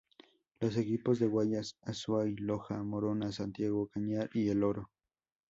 Los equipos de Guayas, Azuay, Loja, Morona Santiago, Cañar y El Oro.